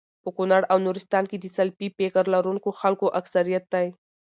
په کونړ او نورستان کي د سلفي فکر لرونکو خلکو اکثريت دی